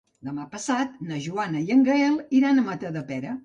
Demà passat na Joana i en Gaël iran a Matadepera.